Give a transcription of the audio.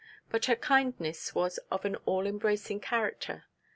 But her kindness was of an all embracing character.